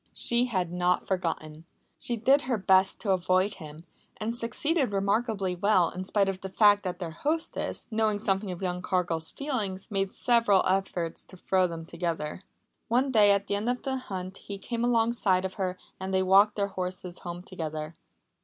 She had not forgotten. She did her best to avoid him, and succeeded remarkably well, in spite of the fact that their hostess, knowing something of young Cargill's feelings, made several efforts to throw them together. One day at the end of the hunt he came alongside of her and they walked their horses home together.